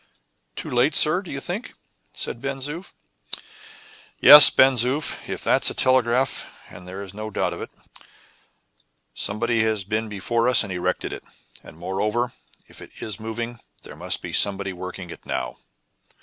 "Too late, sir, do you think?" said Ben Zoof. "Yes, Ben Zoof; if that's a telegraph and there is no doubt of it somebody has been before us and erected it; and, moreover, if it is moving, there must be somebody working it now."